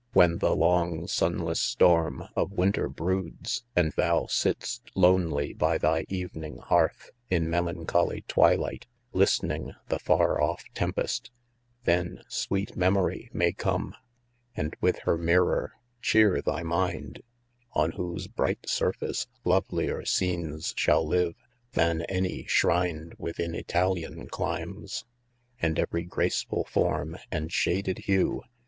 When the long sunless storm of winter broods. And thou sitt'st lonely by thy evening hearth. In melancholy twilight, listening The far off tempest, — then sweet Memory May come, and with her mirror cheer thy mind. IN THE NEW FOREST. 179 On whose bright surface lovelier scenes shall live Than any shrined within Italian climes ; And every graceful form and shaded hue.